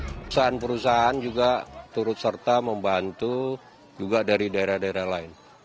terus serta membantu juga dari daerah daerah lain